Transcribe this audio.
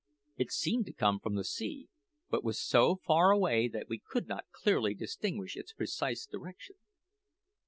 It seemed to come from the sea, but was so far away that we could not clearly distinguish its precise direction.